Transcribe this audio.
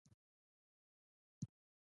پیلوټ د لوړوالي اندازه کنټرولوي.